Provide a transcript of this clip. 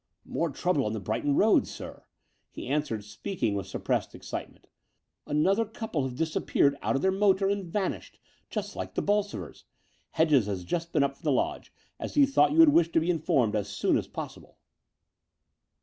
"More trouble on the Brighton Road, sir," he answered, speaking with suppressed excitement. "Another couple have disappeared out of thdr motor and vanished — just like the Bolsovers. Hedges has just been up from the lodge, as he thought you would wish to be informed as soon as possible."